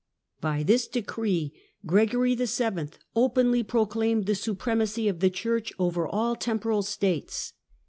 By this decree Gregory VII. openly proclaimed the supremacy of the Church over all temporal States.